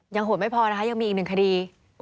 โหดไม่พอนะคะยังมีอีกหนึ่งคดี